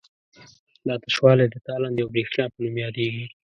دا تشوالی د تالندې او برېښنا په نوم یادیږي.